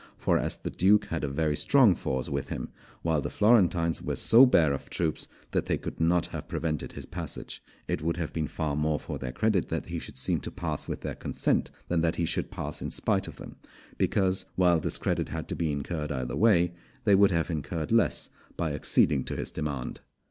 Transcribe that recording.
For as the Duke had a very strong force with him, while the Florentines were so bare of troops that they could not have prevented his passage, it would have been far more for their credit that he should seem to pass with their consent, than that he should pass in spite of them; because, while discredit had to be incurred either way, they would have incurred less by acceding to his demand.